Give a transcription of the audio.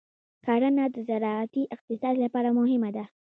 کرنه د زراعتي اقتصاد لپاره مهمه ده.